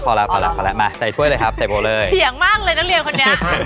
พอแล้วพอแล้วพอแล้วมาใส่ถ้วยเลยครับใส่หมดเลยเสียงมากเลยนักเรียนคนนี้